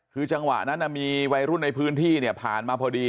คือจังหวะนั้นมีวัยรุ่นในพื้นที่เนี่ยผ่านมาพอดี